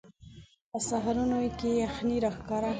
په سهارونو کې یخنۍ راښکاره وي